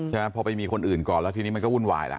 ใช่ไหมพอไปมีคนอื่นก่อนแล้วทีนี้มันก็วุ่นวายแล้ว